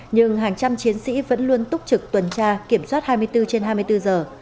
nhưng hàng trăm chiến sĩ vẫn luôn túc trực tuần tra kiểm soát hai mươi bốn trên hai mươi bốn giờ